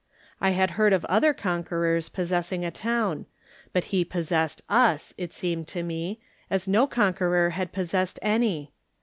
I had heard of other conquerors pos sessing a town; but he possessed us, it seemed to me, as no conqueror had possessed any.